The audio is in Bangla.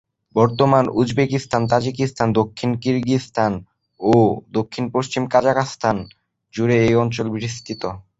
বর্তমান উজবেকিস্তান, তাজিকিস্তান, দক্ষিণ কিরগিজস্তান ও দক্ষিণপশ্চিম কাজাখস্তান জুড়ে এই অঞ্চল বিস্তৃত।